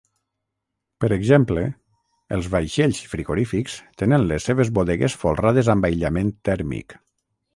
Per exemple, els vaixells frigorífics tenen les seves bodegues folrades amb aïllament tèrmic.